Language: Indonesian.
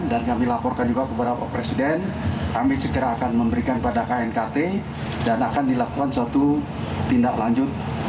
kami laporkan juga kepada pak presiden kami segera akan memberikan pada knkt dan akan dilakukan suatu tindak lanjut